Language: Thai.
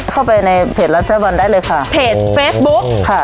เข้าไปในเพจรักแซ่บบอลได้เลยค่ะเพจเฟซบุ๊กค่ะ